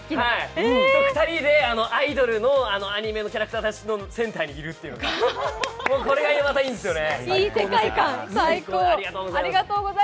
２人でアイドルのアニメのキャラクターたちのセンターにいるっていうのがもうこれがまたいいんですよね。